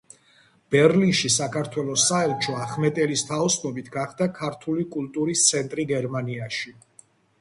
ბერლინში საქართველოს საელჩო ახმეტელის თაოსნობით გახდა ქართული კულტურის ცენტრი გერმანიაში.